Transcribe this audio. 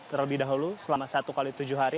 terlebih dahulu selama satu x tujuh hari